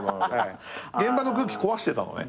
現場の空気壊してたのね？